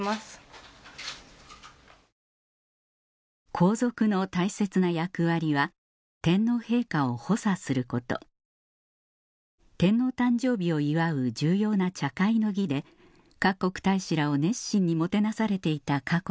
皇族の大切な役割は天皇陛下を補佐すること天皇誕生日を祝う重要な茶会の儀で各国大使らを熱心にもてなされていた佳子